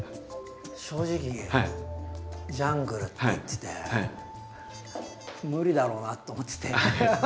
正直ジャングルって言ってて無理だろうなと思ってて。